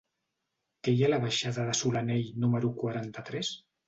Què hi ha a la baixada de Solanell número quaranta-tres?